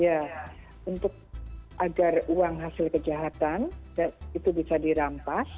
ya untuk agar uang hasil kejahatan itu bisa dirampas